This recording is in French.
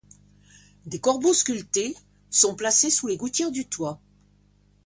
Des corbeaux sculptés sont placés sous les gouttières du toit.